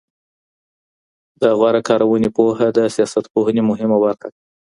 د غوره کاروني پوهه د سياستپوهني مهمه برخه ده.